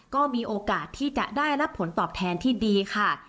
ก็มีโอกาสที่จะได้รับผลตอบแทนที่ดีค่ะ